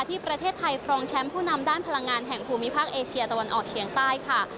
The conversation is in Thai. ที่ประเทศไทยครองแชมป์ผู้นำด้านพลังงานแห่งภูมิภาคเอเชียตะวันออกเฉียงใต้ค่ะ